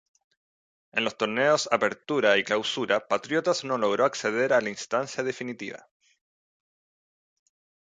En los torneos Apertura y Clausura, Patriotas no logró acceder a la instancia definitiva.